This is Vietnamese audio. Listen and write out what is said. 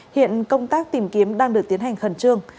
hiện công tác tìm kiếm đang được tiến hành khẩn trương